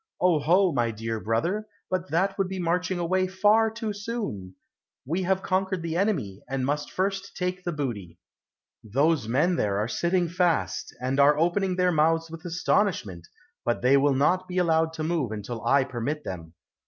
"Oho, my dear brother, but that would be marching away far too soon; we have conquered the enemy, and must first take the booty. Those men there are sitting fast, and are opening their mouths with astonishment, but they will not be allowed to move until I permit them.